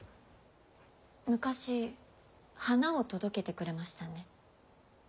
昔花を届けてくれましたね。